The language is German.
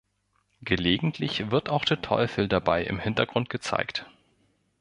Gelegentlich wird auch der Teufel dabei im Hintergrund gezeigt.